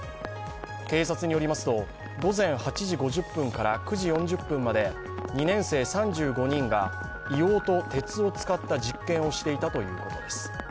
警察によりますと、午前８時５０分から９時４０分まで３年生３５人が硫黄と鉄を使った実験をしていたということです。